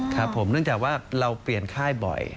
ครับผมเนื่องจากว่าเราเปลี่ยนค่ายบ่อย